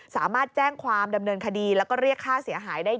สามารถแจ้งความดำเนินคดีแล้วก็เรียกค่าเสียหายได้